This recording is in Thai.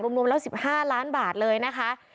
รวมแล้ว๑๕ล้านบาทเลยนะคะ